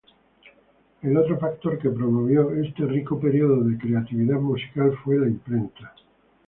El otro factor que promovió este rico período de creatividad musical fue la imprenta.